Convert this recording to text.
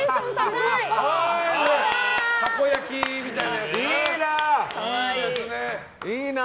たこ焼きみたいなやつな。